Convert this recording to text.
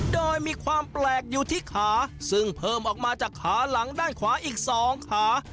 โดยมีความแปลกอยู่ที่ขาซึ่งเพิ่มออกมาจากขาหลังด้านขวาอีก๒ขา